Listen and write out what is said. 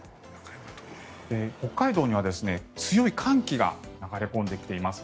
北海道には強い寒気が流れ込んできています。